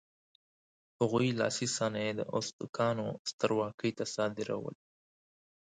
هغوی لاسي صنایع د ازتکانو سترواکۍ ته صادرول.